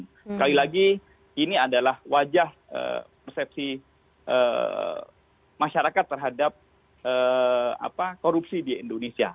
sekali lagi ini adalah wajah persepsi masyarakat terhadap korupsi di indonesia